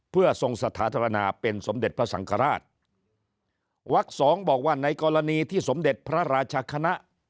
เพื่อทรงสถาธนาเป็นสมเด็จพระสังฆราชวักสองบอกว่าในกรณีที่สมเด็จพระราชคณะ